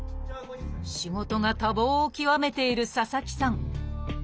仕事が多忙を極めている佐々木さん。